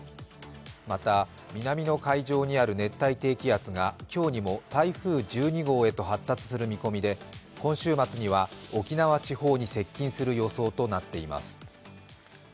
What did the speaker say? また、南の海上にある熱帯低気圧が今日にも台風１２号へと発達する見込みで今週末には沖縄地方に接近する予想となっています。